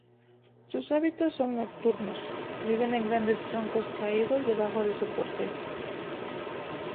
Sus hábitos son nocturnos, viven en grandes troncos caídos, debajo de su corteza.